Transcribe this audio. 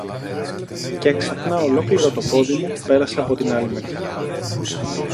Κι έξαφνα ολόκληρο το πόδι μου πέρασε από την άλλη μεριά.